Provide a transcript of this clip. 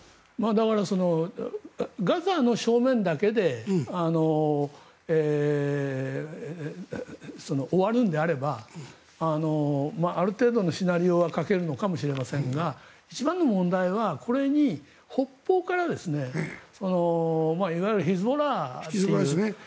だから、ガザの正面だけで終わるのであればある程度のシナリオは書けるのかもしれませんが一番の問題はこれに北方からいわゆるヒズボラですね。